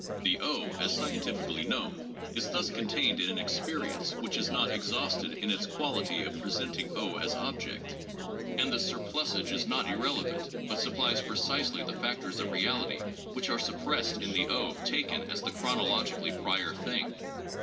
The as scientifically known is thus contained in an experience which is not exhausted in its quality of presenting as object. And the surplusage is not irrelevant, but supplies precisely the factors of reality which are suppressed in the taken as the chronologically prior thing.